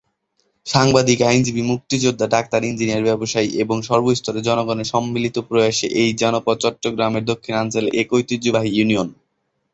সাংবাদিক, আইনজীবী, মুক্তিযোদ্ধা, ডাক্তার, ইঞ্জিনিয়ার, ব্যবসায়ী এবং সর্বস্তরের জনগণের সম্মিলিত প্রয়াসে এই জনপদ চট্টগ্রামের দক্ষিণাঞ্চলে এক ঐতিহ্যবাহী ইউনিয়ন।